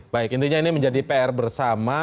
baik intinya ini menjadi pr bersama